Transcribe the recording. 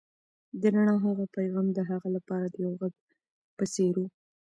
د رڼا هغه پيغام د هغه لپاره د یو غږ په څېر و.